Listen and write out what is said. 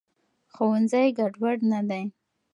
ښوونځي ګډوډ نه دی.